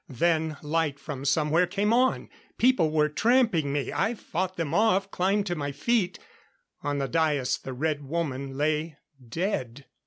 Then light from somewhere came on. People were tramping me. I fought them off, climbed to my feet. On the dais the Red Woman lay dead.